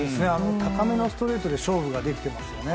高めのストレートで勝負ができてますよね。